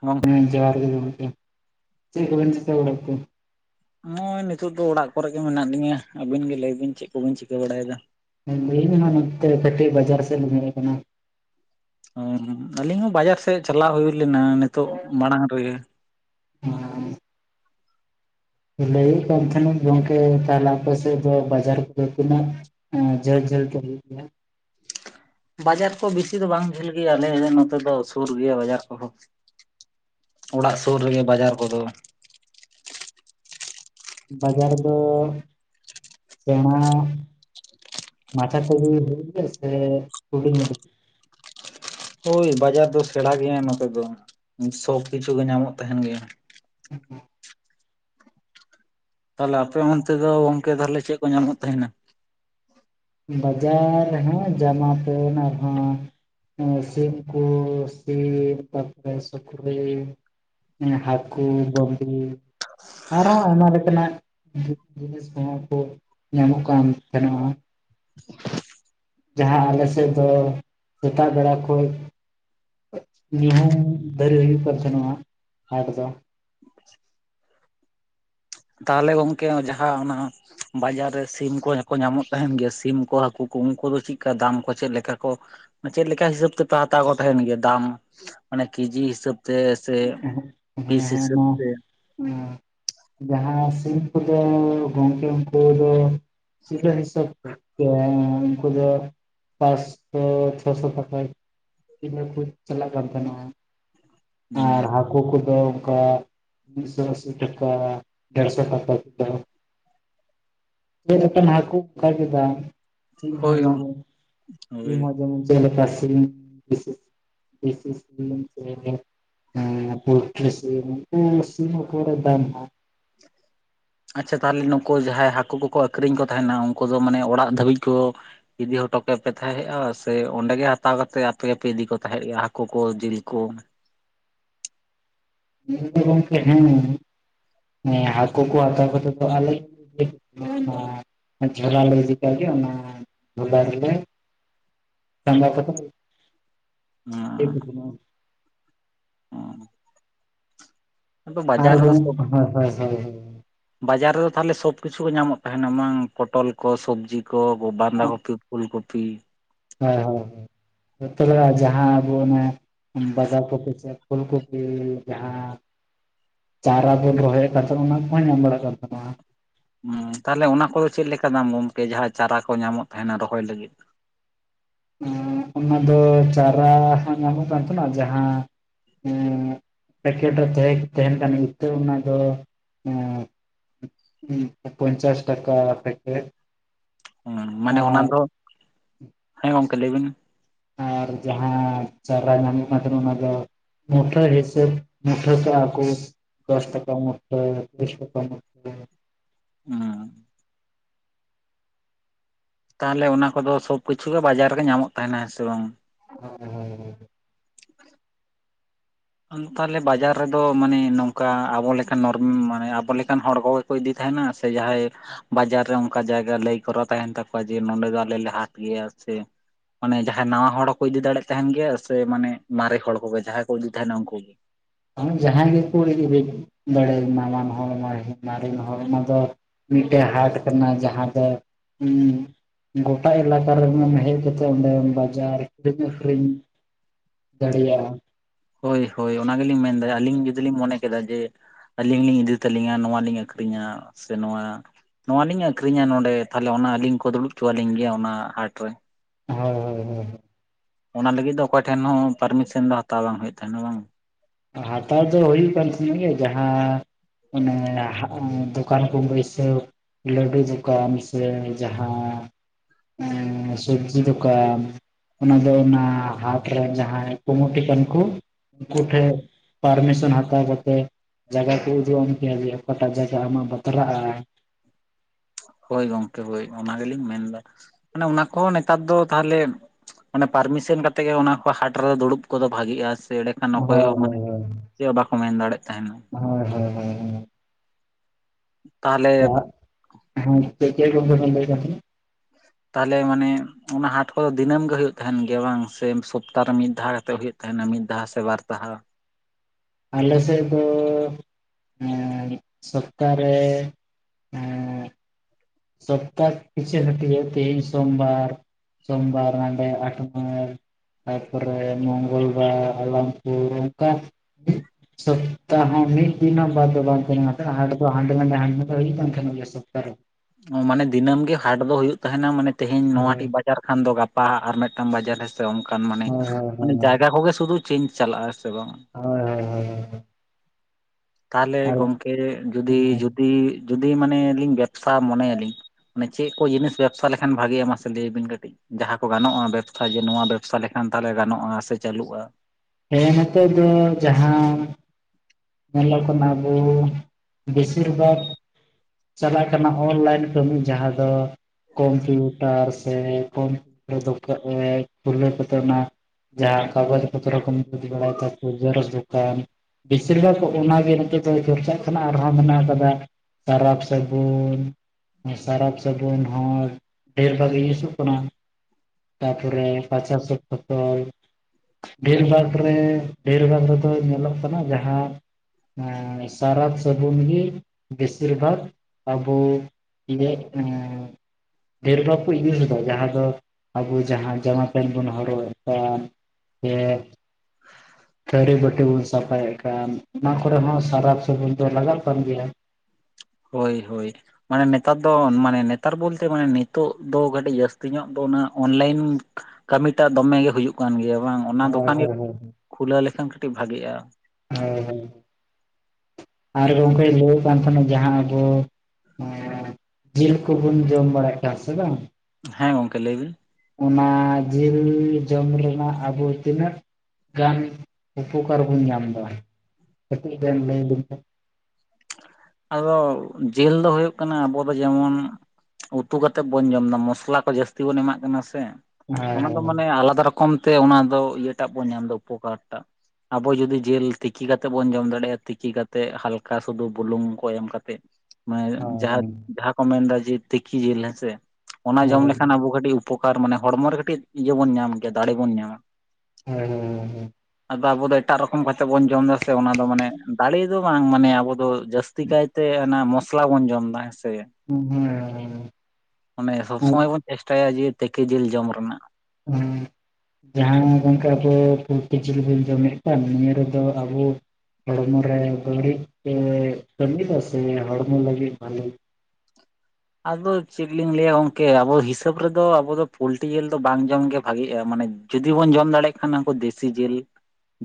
ᱜᱚᱝ ᱡᱚᱦᱟᱨ ᱜᱮ ᱜᱚᱝᱠᱮ, ᱪᱮᱜ ᱠᱚᱵᱤᱱ ᱪᱤᱠᱟᱹ ᱵᱟᱲᱟᱭᱮᱜ ᱛᱮ? ᱱᱚᱜᱼᱚᱭ ᱱᱤᱛᱚᱜ ᱫᱚ ᱚᱲᱟᱜ ᱠᱚᱨᱮ ᱜᱮ ᱢᱮᱱᱟᱜ ᱞᱤᱧᱟᱹ ᱟᱹᱵᱤᱱ ᱜᱮ ᱞᱟᱹᱭ ᱵᱤᱱ ᱪᱮᱜ ᱠᱚᱵᱤᱱ ᱪᱤᱠᱟᱹ ᱵᱟᱲᱟᱭᱫᱟ? ᱞᱟᱭ ᱢᱮ ᱱᱚᱛᱮ ᱠᱟᱹᱴᱤᱜ ᱵᱟᱡᱟᱨ ᱥᱮᱡ ᱞᱤᱧ ᱦᱮᱜ ᱠᱟᱱᱟ᱾ ᱚ ᱟᱹᱞᱤᱧ ᱦᱚᱸ ᱵᱟᱡᱟᱨ ᱥᱮᱫ ᱪᱟᱞᱟᱣ ᱦᱩᱭ ᱞᱮᱱᱟ ᱱᱤᱛᱚᱜ ᱢᱟᱬᱟᱝ ᱨᱮᱜᱮ᱾ [unintelligible] ᱞᱟᱹᱭᱮᱜ ᱠᱟᱱ ᱛᱟᱦᱮᱱᱟᱹᱧ ᱜᱚᱝᱠᱮ ᱛᱟᱦᱞᱮ ᱟᱯᱮ ᱥᱮᱜ ᱫᱚ ᱵᱟᱡᱟᱨ ᱠᱚᱫᱚ ᱛᱤᱱᱟᱹᱜ ᱚᱸ ᱡᱷᱟᱹᱞ ᱡᱷᱟᱹᱞ ᱛᱮ ᱦᱩᱭᱩᱜ ᱜᱮᱭᱟ? ᱵᱟᱡᱟᱨ ᱠᱚ ᱵᱤᱥᱤ ᱫᱚ ᱵᱟᱝ ᱡᱷᱟᱹᱞ ᱜᱮᱭᱟ ᱟᱞᱮ ᱱᱚᱛᱮ ᱫᱚ ᱥᱩᱨ ᱜᱮᱭᱟ ᱵᱟᱡᱟᱨ ᱠᱚᱦᱚᱸ᱾ ᱚᱲᱟᱜ ᱥᱳᱨ ᱨᱮᱜᱮ ᱵᱟᱡᱟᱨ ᱠᱚᱫᱚ᱾ ᱵᱟᱡᱟᱨ ᱫᱚ ᱥᱮᱸᱬᱟ ᱢᱟᱪᱷᱟ ᱛᱮᱜᱤ ᱦᱩᱭᱩᱜ ᱜᱮᱭᱟ ᱥᱮ ᱦᱩᱰᱤᱝ ᱦᱩᱰᱤᱝ? ᱦᱳᱭ ᱵᱟᱡᱟᱨ ᱫᱚ ᱥᱮᱬᱟ ᱜᱮᱭᱟ ᱱᱚᱛᱮ ᱫᱚ ᱥᱚᱵ ᱠᱤᱪᱷᱩ ᱜᱮ ᱧᱟᱢᱚᱜ ᱛᱟᱦᱮᱱ ᱜᱮᱭᱟ᱾ [unintelligible] ᱛᱟᱦᱞᱮ ᱟᱯᱮ ᱦᱚ ᱚᱱᱛᱮ ᱫᱚ ᱜᱚᱝᱠᱮ ᱛᱟᱦᱞᱮ ᱪᱮᱜ ᱠᱚ ᱧᱟᱢᱚᱜ ᱛᱟ. ᱦᱮᱱᱟ? ᱵᱟᱡᱟᱨ ᱨᱮᱦᱚᱸ ᱡᱟᱢᱟ ᱠᱚ ᱚᱱᱟ ᱠᱚᱦᱚᱸ ᱮ ᱥᱤᱢ ᱠᱩ ᱥᱤᱢ ᱛᱟᱯᱚᱨ ᱥᱩᱠᱨᱤ᱾ ᱦᱟᱠᱳ ᱵᱟᱹᱢᱰᱤ ᱟᱨᱦᱚᱸ ᱟᱭᱢᱟ ᱞᱮᱠᱟᱱᱟᱜ ᱡᱤ-ᱡᱤᱱᱤᱥ ᱠᱚ ᱧᱟᱢᱚᱜ ᱠᱟᱱ ᱛᱟᱦᱮᱱᱚᱜᱼᱟ᱾ ᱡᱟᱦᱟᱸ ᱟᱞᱮ ᱥᱮᱜ ᱫᱚ ᱥᱮᱛᱟᱜ ᱵᱟᱲᱟ ᱠᱷᱳᱡ ᱧᱩᱦᱩᱢ ᱫᱟᱹᱨᱤ ᱨᱮ ᱦᱩᱭᱩᱜ ᱛᱟᱦᱮᱟᱹᱱᱚᱜᱼᱟ ᱦᱟᱴ ᱫᱚ᱾ ᱛᱟᱦᱞᱮ ᱜᱚᱝᱠᱮ ᱡᱟᱦᱟᱸ ᱚᱱᱟ ᱵᱟᱡᱟᱨ ᱨᱮ ᱥᱤᱢ ᱠᱚ ᱧᱟᱢᱚᱜ ᱛᱟᱦᱮᱱ ᱜᱮᱭᱟ ᱥᱤᱢ ᱠᱚ ᱦᱟᱹᱠᱩ ᱠᱚ ᱩᱝᱠᱩ ᱫᱚ ᱪᱮᱫᱠᱟ ᱫᱟᱢ ᱠᱚ ᱪᱮᱜ ᱞᱮᱠᱟ ᱠᱚ? ᱪᱮᱫ ᱞᱮᱠᱟ ᱦᱤᱥᱟᱹᱵ ᱛᱮᱯᱮ ᱦᱟᱛᱟᱣ ᱠᱚ ᱛᱟᱦᱮᱱ ᱜᱮᱭᱟ ᱫᱟᱢ ᱢᱟᱱᱮ ᱠᱤᱡᱤ ᱦᱤᱥᱟᱹᱵ ᱛᱮ ᱥᱮ ᱦᱮᱸ ᱯᱤᱥ ᱦᱮᱸ ᱦᱤᱥᱟᱹᱵ ᱢᱟ ᱛᱮ? [unintelligible] ᱡᱟᱦᱟᱸ ᱥᱤᱢ ᱠᱚᱫᱚ ᱜᱚᱝᱠᱮ ᱩᱱᱠᱩ ᱫᱚ ᱠᱤᱞᱳ ᱦᱤᱥᱟᱹᱵ᱾ [unintelligible] ᱩᱝᱠᱩ ᱫᱚ ᱯᱟᱸᱥᱚ ᱪᱷᱚᱥᱚ ᱴᱟᱠᱟ᱾ ᱠᱤᱞᱚ ᱠᱚ ᱪᱟᱞᱟᱜ ᱠᱟᱱ ᱛᱟᱦᱮᱱᱚᱜᱼᱟ᱾ ᱟᱨ ᱦᱟᱹᱠᱳ ᱠᱚᱫᱚ ᱚᱝᱠᱟ ᱢᱤᱫᱥᱚ ᱟᱹᱥᱤ ᱴᱟᱠᱟ᱾ ᱰᱮᱲ ᱥᱚ ᱴᱟᱠᱟ ᱠᱤᱞᱳ᱾ ᱪᱮᱜ ᱞᱮᱠᱟᱱ ᱦᱟᱹᱠᱳ ᱚᱝᱠᱟ ᱜᱮ ᱫᱟᱢ᱾ ᱥᱤᱢ ᱦᱚᱸ ᱦᱳᱭ ᱡᱮᱢᱚᱱ ᱦᱳᱭ ᱥᱤᱢ ᱦᱚᱸ ᱡᱮᱢᱚᱱ ᱪᱮᱜ ᱞᱮᱠᱟ ᱥᱤᱢ [inaudible] ᱠᱨᱤᱥᱤ ᱱᱩᱝᱠᱩ ᱥᱤᱢ ᱠᱚᱨᱮ ᱫᱟᱱ ᱦᱟᱸᱜ᱾ ᱟᱪᱪᱷᱟ ᱛᱟᱦᱚᱞᱮ ᱱᱩᱠᱩ ᱡᱟᱦᱟᱸᱭ ᱦᱟᱹᱠᱳ ᱠᱚᱠᱚ ᱟᱹᱠᱷᱨᱤᱧ ᱠᱚ ᱛᱟᱦᱮᱱᱟ ᱩᱱᱠᱩ ᱫᱚ ᱢᱟᱱᱮ ᱚᱲᱟᱜ ᱫᱷᱟᱹᱵᱤᱡ ᱠᱚ ᱤᱫᱤ ᱦᱚᱴᱚ ᱠᱟᱜᱸ ᱯᱮ ᱛᱟᱦᱮᱸᱜᱼᱟ ᱥᱮ ᱚᱸᱰᱮ ᱜᱮ ᱦᱟᱛᱟᱣ ᱠᱟᱛᱮ ᱟᱯᱮ ᱜᱮᱯᱮ ᱤᱫᱤ ᱠᱚ ᱛᱟᱦᱮᱸᱜᱼᱟ ᱦᱟᱠᱩ ᱠᱚ ᱡᱤᱞ ᱠᱚ? [unintelligible] ᱦᱮᱸ ᱦᱮᱸ ᱦᱟᱠᱳ ᱠᱚ ᱦᱟᱛᱟᱣ ᱠᱚᱛᱮ [inaudible] ᱡᱷᱚᱞᱟ ᱞᱮ ᱤᱫᱤ ᱠᱟᱜ ᱜᱮ ᱚᱱᱟ ᱡᱷᱚᱞᱟ ᱨᱮᱞᱮ ᱴᱟᱸᱜᱟ ᱠᱚ ᱛᱟᱞᱮ ᱦᱩᱸ [inaudible] ᱦᱩᱸ ᱟᱫᱚ ᱵᱟᱡᱟᱨ ᱨᱮᱫᱚ ᱟᱨᱵᱚᱝ ᱥᱚᱵ ᱦᱚᱭ ᱦᱚᱭ ᱦᱚᱭ [unintelligible] ᱵᱟᱡᱟᱨ ᱨᱮᱫᱚ ᱛᱟᱦᱚᱞᱮ ᱥᱚᱵ ᱠᱤᱪᱷᱩ ᱠᱚ ᱧᱟᱢᱚᱜ ᱛᱟᱦᱮᱱᱟ ᱵᱟᱝ, ᱯᱚᱴᱚᱞ ᱠᱚ ᱥᱚᱵᱽᱡᱤ ᱠᱚ ᱵᱟᱸᱫᱟᱷᱟ ᱠᱚᱯᱤ ᱯᱷᱩᱞᱠᱚᱯᱤ, ᱦᱳᱭ ᱦᱳᱭ ᱦᱳᱭ ᱱᱤᱛᱚᱜᱟᱜ ᱡᱟᱦᱟᱸ ᱟᱵᱚ ᱚᱱᱟ ᱵᱟᱡᱟᱨ ᱠᱚᱠᱚ ᱪᱟᱞᱟ [unintelligible] ᱯᱷᱩᱞᱠᱩᱯᱷᱤ ᱡᱟᱦᱟᱸ, ᱪᱟᱨᱟ ᱵᱚᱱ ᱨᱚᱦᱚᱭᱮᱫ ᱠᱟᱱ ᱛᱟᱦᱮᱱᱟ ᱚᱱᱟ ᱠᱚᱦᱚᱸ ᱧᱟᱢ ᱵᱟᱲᱟᱜ ᱠᱟᱱ ᱛᱟᱦᱮᱱᱟ᱾ ᱦᱸ ᱛᱟᱦᱞᱮ ᱚᱱᱟ ᱠᱚᱫᱚ ᱪᱮᱫ ᱞᱮᱠᱟ ᱫᱟᱢ ᱜᱚᱢᱠᱮ ᱡᱟᱦᱟᱸ ᱪᱟᱨᱟ ᱠᱚ ᱧᱟᱢᱚᱜ ᱛᱟᱦᱮᱱᱟ ᱨᱚᱦᱚᱭ ᱞᱟᱹᱜᱤᱫ? ᱚᱱᱟ ᱫᱚ ᱪᱟᱨᱟ ᱦᱚᱸ ᱧᱟᱢᱚᱜ ᱠᱟᱱ ᱛᱟᱦᱮᱱᱟ, ᱡᱟᱦᱟᱸ ᱦᱩ ᱯᱮᱠᱮᱴ ᱛᱟᱦᱮᱱ ᱠᱟᱱᱟᱱ [inaudible] ᱱᱤᱛᱚᱜ ᱚᱱᱟ ᱫᱚ, ᱦᱩ [unintelligible] ᱯᱚᱧᱪᱟᱥ ᱴᱟᱠᱟ ᱯᱮᱠᱮᱴ᱾ ᱦᱮᱸ ᱢᱟᱱᱮ ᱚᱱᱟ ᱟᱨ ᱫᱚ [unintelligible] ᱦᱮᱸ ᱜᱚᱢᱠᱮ ᱞᱟᱹᱭ ᱵᱤᱱ? ᱟᱨ ᱡᱟᱦᱟᱸ ᱪᱟᱨᱟ ᱧᱟᱢᱚᱜ ᱠᱟᱱ ᱛᱟᱦᱮ ᱚᱱᱟ ᱫᱚ, ᱢᱩᱴᱷᱟᱹ ᱦᱤᱥᱳᱵ ᱢᱩᱴᱷᱟᱹ ᱠᱟᱜ ᱟᱠᱚ, ᱫᱚᱥ ᱴᱟᱠᱟ ᱢᱩᱴᱷᱟᱹ, ᱛᱤᱨᱤᱥ ᱴᱟᱠᱟ ᱢᱩᱴᱷᱟᱹ, ᱦᱩᱸ, ᱛᱟᱦᱚᱞᱮ ᱚᱱᱟ ᱠᱚᱫᱚ ᱥᱚᱵ ᱠᱤᱪᱷᱩ ᱜᱮ ᱵᱟᱡᱟᱨ ᱨᱮ ᱧᱟᱢᱚᱜ ᱛᱟᱦᱮᱱᱟ ᱦᱮᱸ ᱥᱮ ᱵᱟᱝ᱾ ᱦᱳᱭ, [inaudible] ᱦᱳᱭ ᱦᱳᱭ [unintelligible] ᱛᱟᱦᱚᱞᱮ ᱵᱟᱡᱟᱨ ᱨᱮᱫᱚ ᱢᱟᱱᱮ ᱱᱚᱝᱠᱟ ᱟᱵᱚ ᱞᱮᱠᱟᱱ ᱱᱚᱨᱢᱮ ᱢᱟᱱᱮ ᱟᱵᱚ ᱞᱮᱠᱟᱱ ᱦᱚᱲ ᱠᱚ, ᱠᱚ ᱤᱫᱤ ᱛᱟᱦᱮᱱᱟ, ᱥᱮ ᱡᱟᱦᱟᱸᱭ ᱵᱟᱡᱟᱨ ᱨᱮ ᱚᱱᱠᱟ ᱡᱟᱭᱜᱟ ᱞᱟᱹᱭ ᱠᱚᱨᱟᱣ ᱛᱟᱦᱮᱱ ᱛᱟᱠᱚᱣᱟ ᱡᱮ ᱱᱚᱰᱮ ᱫᱚ ᱟᱞᱮ ᱞᱮ ᱦᱟᱴ ᱜᱮᱭᱟ ᱥᱮ, ᱢᱟᱱᱮ ᱡᱟᱦᱟᱸᱭ ᱱᱟᱣᱟ ᱦᱚᱲ ᱦᱚᱸᱠᱚ ᱤᱫᱤ ᱫᱟᱲᱮᱭᱟᱜ ᱛᱟᱦᱮᱱ ᱜᱮᱭᱟ, ᱥᱮ ᱢᱟᱱᱮ ᱢᱟᱨᱮ ᱦᱚᱲ ᱠᱚᱜᱮ ᱡᱟᱦᱟᱸᱭ ᱠᱚ ᱤᱫᱤ ᱛᱟᱦᱮᱱᱟ ᱩᱱᱠᱩᱩᱜ ᱜᱮ, ᱡᱟᱦᱟᱸᱭ ᱜᱮᱠᱚ ᱤᱫᱤ ᱫᱟᱲᱮᱭᱟᱜ ᱱᱟᱣᱟᱱ ᱦᱚᱲ ᱢᱟᱨᱮᱱ ᱦᱚᱲ ᱚᱱᱟ ᱫᱚ ᱢᱤᱫᱴᱮᱱ ᱦᱟᱴ ᱠᱟᱱᱟ ᱡᱟᱦᱟᱸ ᱫᱚ ᱜᱚᱴᱟ ᱮᱞᱟᱠᱟ ᱨᱮᱱ ᱦᱮᱡ ᱠᱟᱛᱮᱜ ᱚᱸᱰᱮ ᱵᱟᱡᱟᱨ, ᱠᱤᱨᱤᱧ ᱟᱹᱠᱷᱨᱤᱧ ᱫᱟᱲᱮᱭᱟᱜᱼᱟ᱾ ᱦᱳᱭ ᱦᱳᱭ ᱚᱱᱟ ᱜᱮᱞᱤᱧ ᱢᱮᱱᱫᱟ, ᱟᱹᱞᱤᱧ ᱡᱩᱫᱤ ᱞᱤᱧ ᱢᱚᱱᱮ ᱠᱮᱫᱟ ᱡᱮ ᱟᱹᱞᱤᱧ ᱞᱤᱧ ᱤᱫᱤ ᱛᱟᱹᱞᱤᱧᱟ ᱱᱚᱣᱟᱞᱤᱧ ᱟᱹᱠᱷᱨᱤᱧᱟ, ᱥᱮ ᱱᱚᱣᱟ ᱱᱚᱣᱟᱞᱤᱧ ᱟᱹᱠᱷᱨᱤᱧᱟ ᱱᱚᱰᱮ ᱛᱟᱦᱚᱞᱮ ᱚᱱᱟ ᱟᱹᱞᱤᱧ ᱠᱚ ᱫᱩᱲᱩᱵ ᱦᱚᱪᱚᱣᱟᱞᱤᱧ ᱜᱮᱭᱟ ᱚᱱᱟ ᱦᱟᱴ ᱨᱮ᱾ ᱦᱳᱭ ᱦᱳᱭ ᱦᱳᱭ, ᱚᱱᱟ ᱞᱟᱹᱜᱤᱫ ᱫᱚ ᱚᱠᱚᱭ ᱴᱷᱮᱱ ᱦᱚᱸ ᱯᱟᱨᱢᱤᱥᱚᱱ ᱫᱚ ᱦᱟᱛᱟᱣ ᱵᱟᱝ ᱦᱩᱭᱩᱜ ᱛᱟᱦᱮᱱᱟ, ᱵᱟᱝ ᱦᱟᱛᱟᱣ ᱫᱚ ᱦᱩᱭᱩᱜ ᱠᱟᱱ ᱛᱤᱧᱟ, ᱡᱟᱦᱟᱸ ᱢᱟᱱᱮ ᱫᱚᱠᱟᱱ ᱠᱚᱢ ᱵᱟᱹᱭᱥᱟᱹᱣ ᱞᱟᱰᱩ ᱫᱚᱠᱟᱱ, ᱥᱮ ᱡᱟᱦᱟᱸ [unintelligible] ᱥᱚᱵᱡᱤ ᱫᱚᱠᱟᱱ, ᱚᱱᱟ ᱫᱚ ᱚᱱᱟ ᱦᱟᱴ ᱨᱮᱱ ᱡᱟᱦᱟᱸᱭ ᱠᱩᱢᱩᱴᱤ ᱠᱟᱱ ᱠᱚ, ᱩᱱᱠᱩ ᱴᱷᱮᱱ ᱯᱟᱨᱢᱤᱥᱚᱱ ᱦᱟᱛᱟᱣ ᱠᱟᱛᱮᱫ ᱡᱟᱭᱜᱟ ᱠᱚ ᱩᱫᱩᱜᱟᱢ ᱠᱮᱭᱟ ᱡᱮ ᱚᱠᱟᱴᱟᱜ ᱡᱟᱭᱜᱟ ᱟᱢᱟᱜ ᱵᱟᱛᱨᱟᱜᱼᱟ᱾ ᱦᱳᱭ ᱜᱚᱢᱠᱮ ᱦᱳᱭ, ᱚᱱᱟ ᱜᱮᱞᱤᱧ ᱢᱮᱱᱫᱟ ᱢᱟᱱᱮ ᱚᱱᱟ ᱠᱚᱦᱚᱸ ᱱᱮᱛᱟᱨ ᱫᱚ ᱛᱟᱦᱚᱞᱮ ᱢᱟᱱᱮ ᱯᱟᱨᱢᱤᱥᱮᱱ ᱠᱟᱛᱮ ᱜᱮ ᱚᱱᱟ ᱠᱚ ᱦᱟᱴ ᱨᱮ ᱫᱩᱲᱩᱵ ᱠᱚᱫᱚ ᱵᱷᱟᱹᱜᱤᱜᱼᱟ, ᱥᱮ ᱮᱸᱰᱮᱠᱷᱟᱱ ᱚᱠᱚᱭ ᱦᱳᱭ ᱦᱚᱸ ᱢᱟᱱᱮ, ᱦᱳᱭ ᱪᱮᱫ ᱦᱚᱸ ᱵᱟᱠᱚ ᱢᱮᱱ ᱫᱟᱲᱮᱜ ᱛᱟᱦᱮᱱᱟ ᱦᱳᱭ ᱦᱳᱭ ᱦᱳᱭ [unintelligible] ᱦᱮ ᱠᱚᱚᱱ [unintelligible] [inaudible] ᱞᱟᱹᱭ ᱛᱟᱦᱚᱞᱮ ᱢᱟᱱᱮ ᱚᱱᱟ ᱦᱟᱴ ᱠᱚᱫᱚ ᱫᱤᱱᱟᱹᱢ ᱜᱮ ᱦᱩᱭᱩᱜ ᱛᱟᱦᱮᱱ ᱜᱮᱭᱟ ᱵᱟᱝ, ᱥᱮ ᱥᱚᱯᱛᱟᱦ ᱨᱮ ᱢᱤᱫ ᱫᱷᱟᱣ ᱠᱟᱛᱮ ᱦᱩᱭᱩᱜ, ᱛᱟᱦᱮᱱᱟ ᱢᱤᱫ ᱫᱷᱟᱣ ᱥᱮ ᱵᱟᱨ ᱫᱷᱟᱣ ᱾ ᱟᱞᱮ ᱥᱮᱫ ᱫᱚ, ᱮ ᱥᱚᱯᱛᱟᱨᱮ [unintelligible] ᱥᱚᱯᱛᱟᱦ ᱯᱤᱪᱷᱮ ᱦᱟᱹᱴᱤ ᱦᱩᱭᱩᱜ ᱛᱟᱦᱤᱡ ᱥᱳᱢᱵᱟᱨ ᱥᱳᱢᱵᱟᱨ ᱱᱟᱰᱮ ᱟᱴ [unintelligible] ᱛᱟᱨᱯᱚᱨᱮ ᱢᱚᱝᱜᱚᱞ ᱵᱟᱨ ᱟᱞᱟᱢᱯᱩᱨ ᱚᱱᱠᱟ ᱥᱚᱯᱛᱟᱦᱚ ᱢᱤᱫ ᱫᱤᱱᱚ ᱵᱟᱫ ᱫᱚ ᱵᱟᱝ ᱠᱟᱱᱟ ᱦᱟᱴ ᱫᱚ ᱦᱟᱸᱰᱮ ᱱᱟᱸᱰᱮ ᱦᱟᱸᱰᱮ ᱱᱟᱸᱰᱮ ᱦᱩᱭᱩᱜ ᱠᱟᱱ ᱛᱟᱦᱮᱸᱱᱟ ᱜᱮᱥᱮ ᱥᱚᱯᱛᱟ ᱨᱮ᱾ ᱢᱟᱱᱮ ᱫᱤᱱᱟᱹᱢ ᱜᱮ ᱦᱟᱴ ᱫᱚ ᱦᱩᱭᱩᱜ ᱛᱟᱦᱮᱸᱱᱟ ᱢᱟᱱᱮ ᱛᱮᱦᱮᱧ ᱱᱚᱣᱟ ᱦᱳᱭ ᱴᱤᱡᱽ ᱵᱟ ᱡᱟᱨ ᱠᱷᱟᱱ ᱫᱚ ᱜᱟᱯᱟ ᱟᱨ ᱢᱤᱫᱴᱟᱝ ᱵᱟᱡᱟᱨ ᱦᱮᱸᱥᱮ ᱚᱱᱠᱟᱱ ᱢᱟᱱᱮ ᱦᱳᱭ ᱦᱳᱭ ᱦᱳᱭ ᱢᱟᱱᱮ ᱡᱟᱭᱜᱟ ᱠᱚᱜᱮ ᱥᱩᱫᱩ ᱪᱮᱧᱡᱽ ᱪᱟᱞᱟᱜᱼᱟ ᱥᱮ ᱵᱟᱝ? ᱦᱳᱭ᱾ ᱦᱳᱭ ᱦᱳᱭ ᱛᱟᱦᱚᱞᱮ ᱦᱳᱭ ᱟᱨ ᱜᱚᱝᱠᱮ ᱡᱩᱫᱤ ᱡᱩᱫᱤ ᱡᱩᱫᱤ ᱢᱟᱱᱮ ᱞᱤᱧ ᱵᱮᱵᱽᱥᱟ ᱢᱚᱱᱮᱭᱟᱞᱤᱧ, ᱢᱟᱱᱮ ᱪᱮᱫ ᱠᱚ ᱡᱤᱱᱤᱥ ᱵᱮᱵᱽᱥᱟ ᱞᱮᱠᱷᱟᱱ ᱵᱷᱟᱜᱮᱭᱟ ᱢᱟᱥᱮ ᱞᱟᱹᱭᱟᱵᱤᱱ ᱠᱟᱹᱴᱤᱡ? ᱡᱟᱦᱟᱸ ᱠᱚ ᱜᱟᱱᱚᱜᱼᱟ ᱵᱮᱵᱽᱥᱟ ᱡᱮ ᱱᱚᱣᱟ ᱵᱮᱵᱽᱥᱟ ᱞᱮᱠᱷᱟᱱ ᱛᱟᱦᱚᱞᱮ ᱜᱟᱱᱚᱜᱼᱟ ᱥᱮ ᱪᱟᱹᱞᱩᱜᱼᱟ? ᱦᱮᱸ ᱱᱤᱛᱚᱜ ᱫᱚ ᱡᱟᱦᱟᱸ ᱧᱮᱞᱚ ᱠᱟᱱᱟ [unintelligible] ᱵᱮᱥᱤᱨ ᱵᱷᱟᱜᱽ ᱪᱟᱞᱟᱜ ᱠᱟᱱᱟ ᱚᱱᱞᱟᱭᱤᱱ ᱠᱟᱹᱢᱤ ᱡᱟᱦᱟᱸ ᱫᱚ ᱠᱚᱢᱯᱤᱭᱩᱴᱟᱨ ᱥᱮ [unintelligible] ᱠᱷᱩᱞᱟᱹᱣ ᱠᱟᱛᱮᱫ ᱚᱱᱟ ᱡᱟᱦᱟᱸᱭᱟᱜ ᱠᱟᱸᱜᱚᱡᱽ ᱯᱚᱛᱨᱚ ᱠᱚᱢ ᱤᱫᱤ ᱵᱟᱲᱟᱭ ᱛᱟᱠᱚ ᱡᱮᱨᱚᱥ ᱫᱚᱠᱟᱱ᱾ ᱵᱤᱥᱤᱨ ᱵᱷᱟᱜ ᱠᱚ ᱚᱱᱟᱜᱮ ᱱᱤᱛᱚᱜ ᱫᱚ ᱪᱚᱨᱪᱟᱜ ᱠᱟᱱᱟ ᱟᱨᱦᱚᱸ ᱢᱮᱱᱟᱜ ᱠᱟᱫᱟ, ᱥᱟᱨᱟᱯᱷ ᱥᱟᱵᱩᱱ ᱥᱟᱨᱟᱯ ᱥᱟᱵᱩᱱ ᱦᱚᱸ ᱰᱷᱮᱨ ᱵᱷᱟᱜᱮ ᱤᱭᱩᱥᱚᱜ ᱠᱟᱱᱟ᱾ ᱛᱟᱯᱚᱨᱮ ᱠᱟᱪᱟ ᱥᱚᱠ ᱯᱷᱚᱥᱚᱞ, ᱰᱷᱮᱨ ᱵᱟᱠᱨᱮ ᱰᱷᱮᱨᱵᱟᱠ ᱨᱮᱫᱚ ᱧᱮᱞᱚᱜ ᱠᱟᱱᱟ ᱡᱟᱦᱟᱸ ᱚᱱᱟ ᱥᱟᱨᱟᱯᱷ ᱥᱟᱵᱩᱱ ᱜᱮ ᱵᱮᱥᱤᱨ ᱵᱷᱟᱜᱽ ᱟᱵᱚ ᱤᱭᱟᱹᱜ ᱦᱮᱸ ᱰᱮᱨ ᱵᱟᱠᱩ ᱤᱭᱩᱡᱫᱟ ᱡᱟᱦᱟᱸ ᱫᱚ, ᱟᱵᱩ ᱡᱟᱦᱟᱸ ᱡᱟᱢᱟ ᱯᱮᱱ ᱵᱚᱱ ᱦᱚᱨᱚᱜ ᱮ-ᱫᱟ ᱥᱮ ᱛᱷᱟᱹᱨᱤ ᱵᱟᱹᱴᱤ ᱵᱚᱱ ᱥᱟᱯᱷᱟᱭᱮᱫ ᱠᱟᱱ ᱚᱱᱟ ᱠᱚᱨᱮ ᱦᱚᱸ ᱥᱟᱨᱟᱯ ᱥᱟᱵᱩᱱ ᱫᱚ ᱞᱟᱜᱟᱜ ᱠᱟᱱ ᱜᱮᱭᱟ᱾ ᱦᱳᱭ ᱦᱳᱭ᱾ ᱢᱟᱱᱮ ᱱᱮᱛᱟᱨ ᱫᱚ ᱢᱟᱱᱮ ᱱᱮᱛᱟᱨ ᱵᱚᱞᱛᱮ ᱢᱟᱱᱮ ᱱᱤᱛᱚᱜ ᱫᱚ ᱠᱟᱹᱴᱤᱡ ᱡᱟᱹᱥᱛᱤ ᱧᱚᱜ ᱫᱚ ᱚᱱᱟ ᱚᱱᱞᱟᱭᱤᱱ ᱠᱟᱹᱢᱤᱴᱟᱜ ᱫᱚᱢᱮᱜᱮ ᱦᱩᱭᱩᱜ ᱠᱟᱱ ᱜᱮᱭᱟ ᱵᱟᱝ ᱚᱱᱟ ᱦᱳᱭ ᱫᱚᱠᱟᱱ ᱜᱮ, ᱦᱳᱭ ᱦᱳᱭ᱾ ᱠᱷᱩᱞᱟᱹᱣ ᱞᱮᱠᱷᱟᱱ ᱠᱟᱹᱴᱤᱡ ᱵᱷᱟᱜᱤᱜᱼᱟ᱾ ᱦᱳᱭ ᱦᱳᱭ᱾ ᱟᱨ ᱜᱚᱝᱠᱮᱧ ᱞᱟᱹᱭ ᱠᱟᱱ ᱛᱟᱦᱮᱸᱱᱟ ᱡᱟᱦᱟᱸ ᱟᱵᱚ ᱮᱸ ᱡᱤᱞ ᱠᱚᱵᱚᱱ ᱡᱚᱢ ᱵᱟᱲᱟᱭᱮᱫ ᱟᱥᱮ ᱵᱟᱝ, ᱦᱮᱸ ᱜᱚᱝᱠᱮ ᱞᱟᱹᱭ ᱵᱤᱱ᱾ ᱚᱱᱟ ᱡᱤᱞ ᱡᱚᱢ ᱨᱮᱱᱟᱜ ᱟᱵᱚ ᱛᱤᱱᱟᱹᱜ ᱜᱟᱱ ᱩᱯᱚᱠᱟᱨ ᱵᱚᱱ ᱧᱟᱢ ᱫᱟ, ᱠᱟᱹᱴᱤᱡ ᱵᱮᱱ ᱞᱟᱹᱭ ᱞᱤᱧᱟ? ᱟᱫᱚ ᱡᱮᱞ ᱫᱚ ᱦᱳᱭᱳᱜ ᱠᱟᱱᱟ ᱟᱵᱚ ᱫᱚ ᱡᱮᱢᱚᱱ ᱩᱛᱩ ᱠᱟᱛᱮᱜ ᱵᱚᱱ ᱡᱚᱢ ᱫᱟ ᱢᱚᱥᱞᱟ ᱠᱚ ᱡᱟᱹᱥᱛᱤ ᱵᱚᱱ ᱮᱢᱟᱜ ᱠᱟᱱᱟ ᱥᱮ, ᱚᱱᱟ ᱦᱮᱸ ᱫᱚ ᱢᱟᱱᱮ ᱟᱞᱟᱫᱟ ᱨᱚ ᱠᱚᱢᱛᱮ ᱚᱱᱟ ᱫᱚ ᱤᱭᱟᱹᱴᱟᱜ ᱵᱚᱱ ᱧᱟᱢ ᱫᱟ ᱩᱯᱚᱠᱟᱨ ᱴᱟᱜ᱾ ᱟᱵᱚ ᱡᱩᱫᱤ ᱡᱮᱞ ᱛᱤᱠᱤ ᱠᱟᱛᱮᱜ ᱵᱚᱱ ᱡᱚᱢ ᱫᱟᱲᱮᱭᱟᱜᱼᱟ ᱛᱤᱠᱤ ᱠᱟᱛᱮᱜ ᱦᱟᱞ ᱠᱟ ᱥᱩᱰᱩ ᱵᱩᱞᱩᱝ ᱠᱚ ᱮᱢ ᱠᱟᱛᱮᱜ, ᱢᱟᱱᱮ ᱡᱟᱦᱟᱸ ᱦᱳᱭ ᱡᱟᱦᱟᱸ ᱠᱚ ᱢᱮᱱᱫᱟ ᱡᱮ ᱛᱤᱠᱤ ᱡᱤᱞ ᱦᱮᱸᱥᱮ, ᱚᱱᱟ ᱡᱚᱢ ᱦᱳᱭ ᱦᱳᱭ ᱞᱮᱠᱷᱟᱱ ᱟᱵᱚ ᱠᱟᱹᱴᱤᱡ ᱩᱯᱚᱠᱟᱨ ᱢᱟᱱᱮ ᱦᱚᱲᱢᱚ ᱨᱮ ᱠᱟᱹᱴᱤᱡ ᱤᱭᱟᱹ ᱵᱚᱱ ᱧᱟᱢ ᱜᱮᱭᱟ ᱫᱟᱲᱮ ᱵᱚᱱ ᱧᱟᱢᱟ᱾ ᱦᱩᱸ ᱦᱩᱸ ᱦᱩᱸ ᱦᱩᱸ᱾ ᱟᱫᱚ ᱟᱵᱚ ᱫᱚ ᱮᱴᱟᱜ ᱨᱚᱠᱚᱢ ᱠᱟᱛᱮᱫ ᱵᱚᱱ ᱡᱚᱢ ᱮᱫᱟ ᱥᱮ ᱚᱱᱟ ᱫᱚ ᱢᱟᱱᱮ ᱫᱟᱲᱮ ᱫᱚ ᱵᱟᱝ ᱢᱟᱱᱮ ᱟᱵᱚ ᱫᱚ ᱡᱟᱹᱥᱛᱤ ᱠᱟᱭᱛᱮ ᱚᱱᱟ ᱢᱚᱥᱞᱟ ᱵᱚᱱ ᱡᱚᱢ ᱫᱟ ᱦᱮᱸᱥᱮ? ᱚᱱᱮ ᱥᱚᱵ ᱦᱳᱭ ᱥᱚᱢᱚᱭ ᱵᱚᱱ ᱪᱮᱥᱴᱟᱭᱟ ᱡᱮ ᱛᱮᱠᱮ ᱡᱮᱞ ᱡᱚᱢ ᱨᱮᱱᱟᱜ᱾ ᱦᱩᱸ ᱡᱟᱦᱟᱸ ᱜᱚᱝᱠᱮ ᱟᱵᱚ ᱯᱩᱞᱴᱤ ᱡᱤᱞ ᱵᱚᱱ ᱡᱚᱢᱮᱫ ᱠᱟᱱ, ᱱᱤᱭᱟᱹ ᱨᱮᱫᱚ ᱟᱵᱚ ᱦᱚᱲᱢᱚ ᱨᱮ ᱵᱟᱹᱲᱤᱡ ᱯᱮ ᱠᱟᱹᱢᱤᱫᱟ ᱥᱮ ᱦᱚᱲᱢᱚ ᱞᱟᱹᱜᱤᱫ ᱵᱷᱟᱞᱮ? ᱟᱫᱚ ᱪᱮᱫ ᱞᱤᱧ ᱞᱟᱹᱭᱟ ᱜᱚᱝᱠᱮ ᱟᱵᱚ ᱦᱤᱥᱟᱹᱵᱽ ᱨᱮᱫᱚ ᱟᱵᱚ ᱫᱚ ᱯᱩᱞᱴᱤ ᱡᱤᱞ ᱫᱚ ᱵᱟᱝ ᱡᱚᱢ ᱜᱮ ᱵᱷᱟᱜᱤᱜᱼᱟ ᱢᱟᱱᱮ, ᱡᱩᱫᱤ ᱵᱚᱱ ᱡᱚᱢ ᱫᱟᱲᱮᱭᱟᱜ ᱠᱷᱟᱱ ᱩᱱᱠᱩ ᱫᱮᱥᱤ ᱡᱮᱞ᱾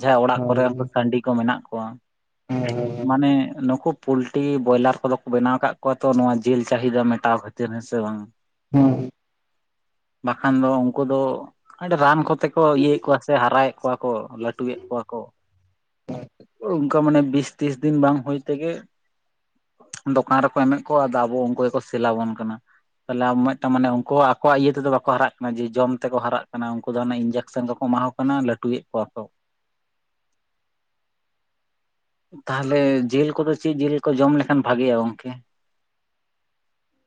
ᱡᱟᱦᱟᱸᱭ ᱚᱲᱟᱜ ᱠᱚᱨᱮ ᱦᱳᱭ ᱩᱱᱠᱩ ᱥᱟᱺᱰᱤ ᱠᱚ ᱢᱮᱱᱟᱜ ᱠᱚᱣᱟ, ᱦᱳᱭ ᱦᱳᱭ ᱦᱳᱭ ᱵᱟᱹᱲᱤᱡ ᱢᱟᱱᱮ ᱱᱩᱠᱩ ᱯᱩᱞᱴᱤ ᱵᱚᱭᱞᱟᱨ ᱠᱚᱫᱚ ᱠᱚ ᱵᱮᱱᱟᱣ ᱟᱠᱟᱫ ᱠᱚᱣᱟ ᱛᱚ ᱱᱚᱣᱟ ᱡᱮᱞ ᱪᱟᱦᱤᱫᱟ ᱢᱮᱴᱟᱣ ᱠᱷᱟᱹᱛᱤᱨ, ᱦᱮᱸ ᱥᱮ ᱵᱟᱝ? ᱦᱮᱸ ᱵᱟᱠᱷᱟᱱ ᱫᱚ ᱩᱱᱠᱩ ᱫᱚ ᱟᱹᱰᱤ ᱨᱟᱱ ᱠᱚᱼᱼ ᱛᱮᱠᱚ ᱤᱭᱟᱹᱭᱮᱫ ᱠᱚᱣᱟ ᱥᱮ ᱦᱟᱨᱟᱭᱮᱫ ᱠᱚᱣᱟ ᱠᱚ ᱞᱟᱹᱴᱩᱭᱮᱫ ᱠᱚᱣᱟ ᱠᱚ᱾ ᱢᱟᱱᱮ ᱵᱤᱥ ᱛᱤᱥ ᱫᱤᱱ ᱵᱟᱝ ᱦᱩᱭ ᱛᱮᱜᱮ ᱫᱚᱠᱟᱱ ᱨᱮᱠᱚ ᱮᱢᱮᱫ ᱠᱚᱣᱟ, ᱟᱫᱚ ᱟᱵᱚ ᱚᱠᱚᱭ ᱠᱚ ᱥᱮᱞᱟᱵᱚᱱ ᱠᱟᱱᱟ᱾ ᱛᱟᱦᱚᱞᱮ ᱟᱢ ᱢᱤᱫᱴᱟᱝ ᱢᱟᱱᱮ ᱩᱱᱠᱩ ᱟᱠᱚᱣᱟᱜ ᱤᱭᱟᱹ ᱛᱮᱫᱚ ᱵᱟᱠᱚ ᱦᱟᱨᱟᱜ ᱠᱟᱱᱟ, ᱡᱮ ᱡᱚᱢ ᱛᱮᱠᱚ ᱦᱟᱨᱟᱜ ᱠᱟᱱᱟ, ᱩᱱᱠᱩ ᱫᱚ ᱦᱟᱱᱮ ᱤᱧᱡᱮᱠᱥᱮᱱ ᱠᱚᱠᱚ ᱮᱢᱟᱣᱟ ᱠᱟᱱᱟ ᱞᱟᱹᱴᱩᱭᱮᱫ ᱠᱚᱣᱟ ᱠᱚ᱾ [inaudible] ᱛᱟᱦᱚᱞᱮ ᱡᱤᱞ ᱠᱚᱫᱚ ᱪᱮᱫ ᱡᱤᱞ ᱠᱚ ᱡᱚᱢ ᱞᱮᱠᱷᱟᱱ ᱵᱷᱟᱹᱜᱤᱭᱟ ᱜᱚᱝᱠᱮ?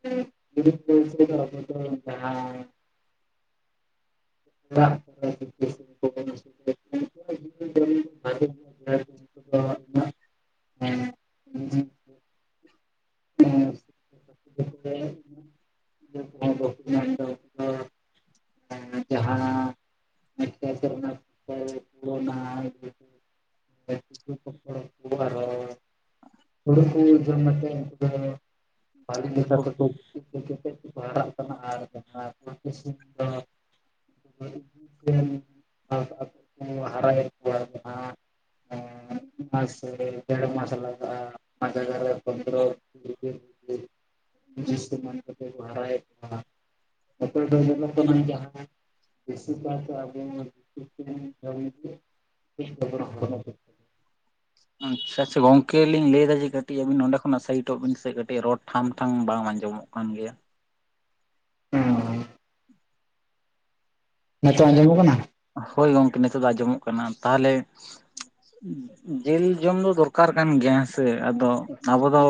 [unintelligible] ᱩᱱᱤ ᱫᱚ ᱡᱟᱦᱟᱭ᱾ [unintelligible] [unintelligible] ᱠᱚᱣᱟ ᱩᱱᱠᱩᱣᱟᱜ ᱡᱤᱞ ᱡᱚᱢ ᱵᱷᱟᱞᱤ ᱜᱮᱭᱟ ᱪᱮᱫᱟᱜ ᱥᱮ ᱩᱱᱠᱩ ᱫᱚ ᱩᱱᱟᱹᱜ ᱮᱸ ᱡᱟᱦᱟᱸ ᱠᱷᱮᱛ ᱨᱮᱱᱟᱜ ᱯᱷᱚᱥᱚᱞ ᱯᱩᱨᱟᱹᱣᱱᱟ ᱟᱨᱦᱚᱸ ᱦᱩᱲᱩ ᱠᱩ ᱡᱚᱢ ᱠᱟᱛᱮ [unintelligible] [unintelligible] ᱠᱟᱛᱮ ᱠᱚᱠᱚ ᱦᱟᱨᱟᱜ ᱠᱟᱱᱟ ᱟᱨ ᱡᱟᱦᱟᱸ ᱠᱚ᱾ ᱟᱯᱮ ᱥᱮᱜ ᱫᱚ [unintelligible] [unintelligible] [unintelligible] ᱦᱟᱨᱟ ᱭᱮᱫ ᱢᱟᱥᱮ ᱰᱮᱲ ᱢᱚᱥᱮ ᱞᱟᱜᱟᱜᱼᱟ᱾ ᱚᱱᱟ ᱡᱟᱜᱟ ᱨᱮ [unintelligible] [unintelligible] ᱦᱟᱨᱟᱭᱮᱜ ᱠᱟᱱᱟ᱾ [unintelligible] ᱫᱚ [unintelligible] [unintelligible] ᱢᱟᱱᱮ ᱡᱟᱦᱟᱸᱱᱟᱜ ᱵᱮᱥᱤᱠᱟᱭᱛᱮ ᱟᱵᱚ [unintelligible] [unintelligible] [unintelligible] ᱟᱪᱪᱷᱟ ᱟᱪᱪᱷᱟ ᱜᱚᱝᱠᱮ ᱞᱤᱧ ᱞᱟᱹᱭᱮᱫᱟ ᱡᱮ ᱠᱟᱹᱴᱤᱡ ᱟᱵᱤᱱ ᱱᱚᱰᱮ ᱠᱷᱚᱱ ᱥᱟᱭᱤᱴᱚᱜ ᱵᱤᱱ ᱥᱮ ᱠᱟᱹᱴᱤᱡ ᱨᱚᱲ ᱴᱷᱟᱢ ᱴᱷᱟᱢ ᱵᱟᱝ ᱟᱸᱡᱚᱢᱚᱜ ᱠᱟᱱᱟ᱾ ᱠᱟᱱ ᱜᱮᱭᱟ᱾ ᱦᱩᱸ ᱱᱤᱛᱚᱜ ᱟᱸᱡᱚᱢᱚᱜ ᱠᱟᱱᱟ? ᱦᱳᱭ ᱜᱚᱝᱠᱮ ᱱᱤᱛᱚᱜ ᱫᱚ ᱟᱸᱡᱚᱢᱚᱜ ᱠᱟᱱᱟ᱾ ᱛᱟᱦᱚᱞᱮ ᱡᱤᱞ ᱡᱚᱢ ᱫᱚ ᱫᱚᱨᱠᱟᱨ ᱠᱟᱱ ᱜᱮᱭᱟ᱾ ᱦᱮᱸᱥᱮ? ᱟᱫᱚ ᱟᱵᱚ ᱫᱚ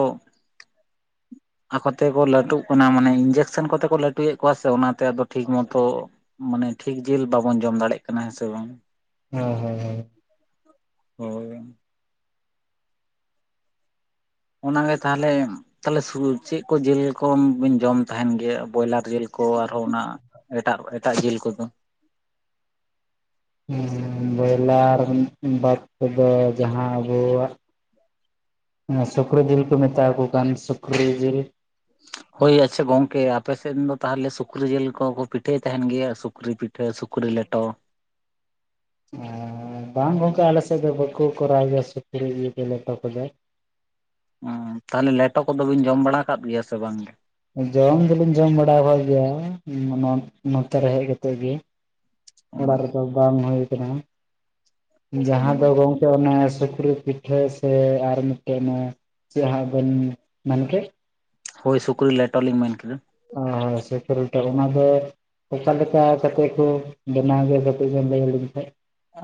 ᱟᱠᱚ ᱛᱮᱠᱚ ᱞᱟᱹᱴᱩᱜ ᱠᱟᱱᱟ, ᱢᱟᱱᱮ ᱤᱧᱡᱮᱠᱥᱮᱱ ᱠᱚᱛᱮ ᱠᱚ ᱞᱟᱹᱴᱩᱭᱮᱫ ᱠᱚᱣᱟ ᱥᱮ, ᱚᱱᱟᱛᱮ ᱟᱫᱚ ᱴᱷᱤᱠ ᱢᱚᱛᱚ ᱢᱟᱱᱮ ᱴᱷᱤᱠ ᱡᱤᱞ ᱵᱟᱵᱚᱱ ᱡᱚᱢ ᱫᱟᱲᱮᱭᱟᱜ ᱠᱟᱱᱟ, ᱦᱮᱸᱥᱮ ᱵᱟᱝ? ᱦᱚᱭ ᱦᱚᱭ ᱦᱚᱭ [inaudible] ᱦᱳᱭ ᱚᱱᱟ ᱜᱮ ᱛᱟᱦᱚᱞᱮ ᱛᱟᱦᱚᱞᱮ ᱥᱩ ᱪᱮᱫ ᱠᱚ ᱡᱤᱞ ᱠᱚ ᱵᱤᱱ ᱡᱚᱢ ᱛᱟᱦᱮᱱ ᱜᱮᱭᱟ? ᱵᱚᱭᱞᱟᱨ ᱡᱤᱞ ᱠᱚ ᱟᱨᱦᱚᱸ ᱚᱱᱟ ᱮᱴᱟᱜ ᱮᱴᱟᱜ ᱡᱤᱞ ᱠᱚᱫᱚ᱾ ᱵᱚᱭᱞᱟᱨ ᱵᱟᱫ ᱛᱮᱫᱚ ᱡᱟᱦᱟᱸ ᱟᱵᱚᱣᱟᱜ ᱥᱩᱠᱨᱤ ᱡᱤᱞ ᱠᱚ ᱢᱮᱛᱟᱣᱟᱠᱚ ᱠᱟᱱ ᱥᱩᱠᱨᱤ ᱡᱤᱞ ᱦᱳᱭ ᱟᱪᱷᱟ ᱜᱚᱝᱠᱮ ᱟᱯᱮᱥᱮᱫ ᱫᱚ ᱛᱟᱦᱚᱞᱮ ᱥᱩᱠᱨᱤ ᱡᱤᱞ ᱠᱚᱠᱚ ᱯᱤᱴᱷᱟᱹᱭ ᱛᱟᱦᱮᱱ ᱜᱮᱭᱟ ᱥᱩᱠᱨᱤ ᱯᱤ [inaudible] ᱥᱩᱠᱨᱤ ᱞᱮᱴᱚ ᱟᱨ ᱵᱟᱝ ᱜᱚᱝᱠᱮ ᱟᱞᱮ ᱥᱮᱫ ᱫᱚ ᱵᱟᱠᱚ ᱠᱚᱨᱟᱣ ᱜᱮᱭᱟ ᱥᱩᱠᱨᱤ ᱤᱭᱟᱹᱛᱮ ᱞᱮᱴᱚ ᱠᱚᱫᱚ ᱛᱟᱦᱚᱞᱮ ᱞᱮᱴᱚ ᱠᱚᱫᱚ ᱵᱤᱱ ᱡᱚᱢ ᱵᱟᱲᱟ ᱟᱠᱟᱫ ᱜᱮᱭᱟ ᱥᱮ ᱵᱟᱝ ᱜᱮ᱾ ᱡᱚᱢ ᱫᱚᱞᱤᱧ ᱡᱚᱢ ᱵᱟᱲᱟ ᱟᱠᱟᱫ ᱜᱮᱭᱟ ᱱᱚᱛᱮ ᱨᱮ ᱦᱮᱡ ᱠᱟᱛᱮᱜ ᱜᱮ ᱚᱲᱟᱜ ᱨᱮᱫᱚ ᱵᱟᱝ ᱦᱩᱭᱩ ᱠᱟᱱᱟ ᱡᱟᱦᱟᱸ ᱫᱚ ᱜᱟᱝ- ᱠᱮ ᱚᱱᱟ ᱥᱩᱠᱨᱤ ᱯᱤᱴᱷᱟᱹ ᱥᱮ ᱟᱨ ᱢᱤᱫᱴᱮᱱ ᱪᱮᱫ ᱦᱟᱸᱜ ᱵᱮᱱ ᱢᱮᱱᱠᱮᱫ ᱦᱳᱭ ᱥᱩᱠᱨᱤᱤᱞ ᱞᱮᱴᱚᱨ ᱞᱤᱧ ᱢᱮᱱ ᱠᱮᱫᱟ᱾ ᱦᱚᱭ ᱦᱚᱭ ᱥᱩᱠᱨᱤ ᱠᱮᱴᱚ ᱚᱱᱟ ᱫᱚ ᱚᱠᱟᱮ ᱞᱮᱠᱟ ᱠᱟᱛᱮᱜ ᱠᱚ ᱵᱮᱱᱟᱣ ᱜᱮ ᱠᱟᱹᱴᱤᱡ ᱵᱮᱱ ᱞᱟᱹᱭ ᱟᱹᱞᱤᱧ ᱠᱷᱟᱡ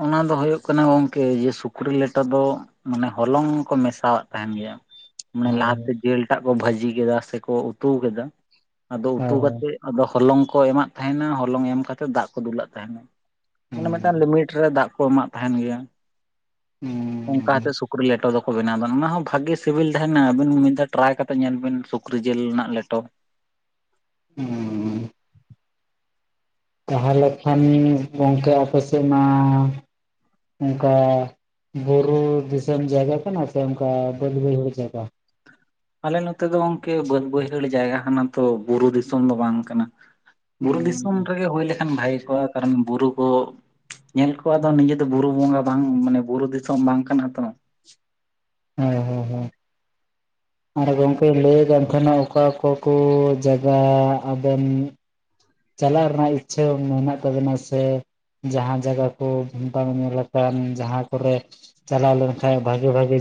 ᱚᱱᱟ ᱫᱚ ᱦᱩᱭᱩᱜ ᱠᱟᱱᱟ ᱜᱚᱝᱠᱮ ᱡᱮ ᱥᱩᱠᱨᱤ ᱞᱮᱴᱚ ᱫᱚ ᱢᱟᱱᱮ ᱦᱚᱞᱚᱝ ᱠᱚ ᱢᱮᱥᱟᱣᱟᱜ ᱛᱟᱦᱮᱱ ᱜᱮᱭᱟ ᱢᱟᱱᱮ ᱦᱳᱭ ᱞᱟᱦᱟᱛᱮ ᱡᱤᱞ ᱴᱟᱜ ᱠᱚ ᱵᱷᱟᱹᱡᱤ ᱠᱮᱫᱟ ᱥᱮᱠᱚ ᱩᱛᱩ ᱠᱮᱫᱟ ᱟᱫᱚ ᱩᱛᱩ ᱦᱳᱭ ᱠᱟᱛᱮᱜ ᱟᱫᱚ ᱦᱚᱞᱚᱝ ᱠᱚ ᱮᱢᱟᱜ ᱛᱟᱦᱮᱱᱟ ᱦᱚᱞᱚᱝ ᱮᱢ ᱠᱟᱛᱮᱜ ᱫᱟᱜ ᱠᱚ ᱫᱩᱞᱟᱜ ᱛᱟᱦᱮᱱᱟ ᱢᱮ ᱢᱤᱫᱴᱟᱝ ᱞᱤᱢᱤᱴ ᱨᱮ ᱫᱟᱜ ᱠᱚ ᱮᱢᱟᱜ ᱛᱟᱦᱮᱱ ᱜᱮᱭᱟ ᱚᱱᱠᱟᱛᱮᱫ ᱥᱩ... ᱥᱩᱠᱨᱤ ᱞᱮᱴᱚ ᱫᱚᱠᱚ ᱵᱮᱱᱟᱣ ᱮᱫᱟ ᱚᱱᱟ ᱦᱚᱸ ᱵᱷᱟᱜᱤ ᱥᱤᱵᱤᱞ ᱛᱟᱦᱮᱱᱟ ᱟᱵᱤᱱ ᱢᱤᱫ ᱫᱷᱟ ᱴᱨᱟᱭ ᱠᱟᱛᱮ ᱧᱮᱞ ᱵᱤᱱ ᱥᱩᱠᱨᱤ ᱡᱤᱞ ᱨᱮᱱᱟᱜ ᱞᱮᱴᱚ ᱦᱩᱸ ᱛᱟᱦᱚᱞᱮ ᱠᱷᱟᱱ ᱜᱚᱝᱠᱮ ᱟᱯᱮ ᱥᱮᱫ ᱢᱟ ᱚᱱᱠᱟ ᱵᱩᱨᱩ ᱫᱤᱥᱚᱢ ᱡᱟᱭᱜᱟ ᱠᱟᱱᱟ ᱥᱮ ᱚᱱᱠᱟ ᱵᱟᱹᱫᱽ ᱵᱟᱹᱭᱦᱟᱹᱲ ᱡᱟᱭᱜᱟ ᱟᱞᱮ ᱱᱚᱛᱮ ᱫᱚ ᱜᱚᱝᱠᱮ ᱵᱟᱹᱫᱽ ᱵᱟᱹᱭᱦᱟᱹᱲ ᱡᱟᱭᱜᱟ ᱠᱟᱱᱟ ᱛᱚ ᱵᱩᱨᱩ ᱫᱤᱥᱚᱢ ᱫᱚ ᱵᱟᱝ ᱠᱟᱱᱟ ᱵᱩᱨᱩ ᱫᱤᱥᱚᱢ ᱨᱮᱜᱮ ᱦᱩᱭ ᱞᱮᱠᱷᱟᱱ ᱵᱷᱟᱜᱮ ᱠᱚᱜᱼᱟ ᱠᱟᱨᱚᱱ ᱵᱩᱨᱩ ᱠᱟ ᱧᱮᱞ ᱠᱚᱣᱟ ᱟᱫᱚ ᱱᱤᱡᱮ ᱫᱚ ᱵᱩᱨᱩ ᱵᱚᱸᱜᱟ ᱵᱟᱝ ᱢᱟᱱᱮ ᱵᱩᱨᱩ ᱫᱤᱥᱚᱢ ᱵᱟᱝ ᱠᱟᱱᱟ ᱛᱚ ᱦᱚᱭ ᱦᱚᱭ ᱦᱚᱭ ᱟᱨ ᱜᱚᱝᱠᱮ ᱞᱟᱹᱭᱮᱫ ᱠᱟᱱ ᱛᱟᱦᱮᱱᱟ ᱚᱠᱟ ᱚᱠᱟ ᱠᱚ ᱡᱟᱭᱜᱟ ᱟᱵᱮᱱ ᱪᱟᱞᱟᱜ ᱨᱮᱱᱟᱜ ᱤᱪᱪᱷᱟᱹ ᱢᱮᱱᱟᱜ ᱛᱟᱵᱮᱱᱟ ᱥᱮ ᱡᱟᱦᱟᱸ ᱡᱟᱭᱜᱟ ᱠᱚ ᱵᱟᱝ ᱧᱮᱞ ᱟᱠᱟᱱ ᱡᱟᱦᱟᱸ ᱠᱚᱨᱮ ᱪᱟᱞᱟᱣ ᱞᱮᱱᱠᱷᱟᱱᱡ ᱵᱷᱟᱜᱤ ᱵᱷᱟᱜᱤ...